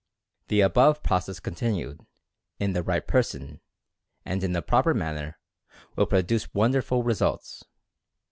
The above process continued, in the right person, and in the proper manner, will produce wonderful re sults.